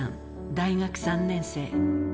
大学３年生。